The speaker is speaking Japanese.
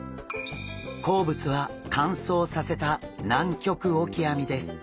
好物は乾燥させたナンキョクオキアミです。